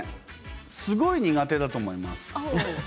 すごい苦手だと思います。